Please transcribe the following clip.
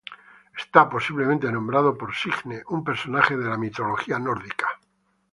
Está posiblemente nombrado por Signe, un personaje de la mitología nórdica.